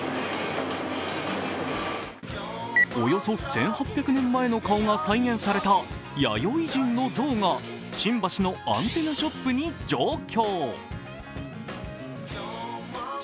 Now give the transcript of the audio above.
およそ１８００年前の顔が再現された弥生人の像が新橋のアンテナショップに上京。